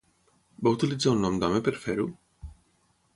Va utilitzar un nom d'home per fer-ho?